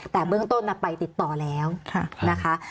แต่เบื้องต้นไปติดต่อแล้วนะคะ